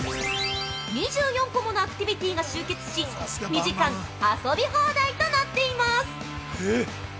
２４個ものアクティビティが集結し、２時間遊び放題となっています。